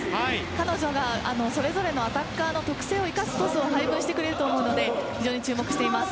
彼女がそれぞれのアタッカーの特性を生かすトスを配球してくれると思うので非常に注目しています。